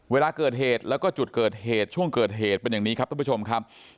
เวลาเกิดเหตุแล้วก็จุดเกิดเหตุช่วงเกิดเหตุเป็นอย่างนี้ครับท่านผู้ชมครับ